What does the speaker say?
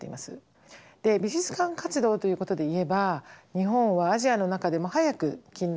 美術館活動ということで言えば日本はアジアの中でも早く近代化が進んだので